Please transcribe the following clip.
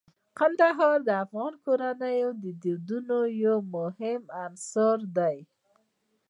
کندهار د افغان کورنیو د دودونو یو ډیر مهم عنصر دی.